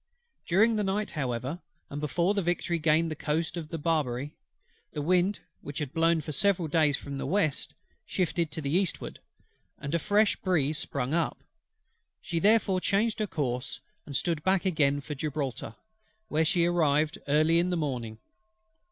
During the night however, and before the Victory gained the coast of Barbary, the wind, which had blown for several days from the west, shifted to the eastward, and a fresh breeze sprung up; she therefore changed her course, and stood back again for Gibraltar, where she arrived early in the morning.